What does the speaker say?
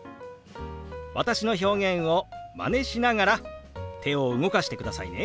私の表現をマネしながら手を動かしてくださいね。